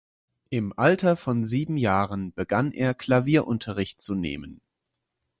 Im Alter von sieben Jahren begann er Klavierunterricht zu nehmen.